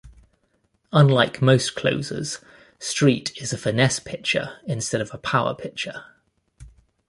Unlike most closers, Street is a finesse pitcher instead of a power pitcher.